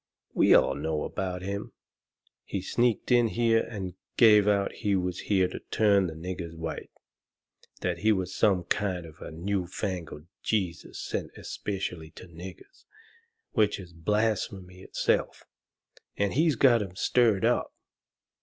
We know all about him. He sneaked in here and gave out he was here to turn the niggers white that he was some kind of a new fangled Jesus sent especially to niggers, which is blasphemy in itself and he's got 'em stirred up.